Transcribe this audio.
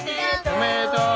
おめでとう！